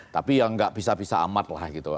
tapi yang enggak pisah pisah amat lah gitu